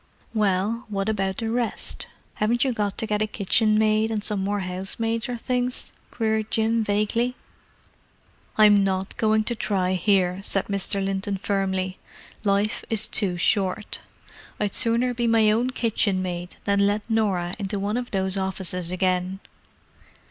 "Well, what about the rest?—haven't you got to get a kitchenmaid and some more housemaids or things?" queried Jim vaguely. "I'm not going to try here," said Mr. Linton firmly. "Life is too short; I'd sooner be my own kitchenmaid than let Norah into one of those offices again.